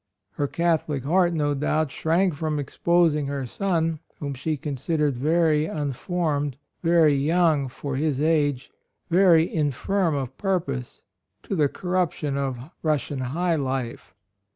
Her Catholic heart, no doubt, shrank from exposing her son, whom she considered very unformed, very young for his age, very "infirm of pur pose," to the corruption of Russian high life.